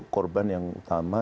korban yang utama